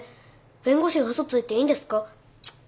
弁護士が嘘ついていいんですか？